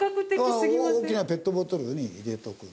大きなペットボトルに入れとく。